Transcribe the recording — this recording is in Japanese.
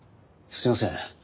すいません。